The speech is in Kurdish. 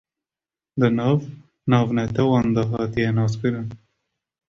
di nav navnetewayan de hatiye naskirin